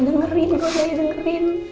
gak usah didengerin